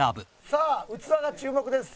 「さあ器が注目です。